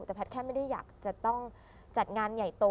แต่แพทย์แค่ไม่ได้อยากจะต้องจัดงานใหญ่โต